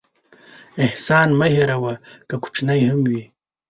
احسان مه هېروه، که کوچنی هم وي.